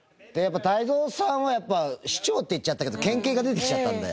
泰造さんはやっぱ市長って言っちゃったけど県警が出てきちゃったんで。